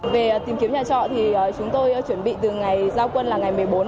về tìm kiếm nhà trọ thì chúng tôi chuẩn bị từ ngày giao quân là ngày một mươi bốn